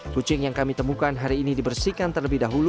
kucing yang kami temukan hari ini dibersihkan terlebih dahulu